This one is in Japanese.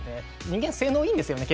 人間性能いいんですよね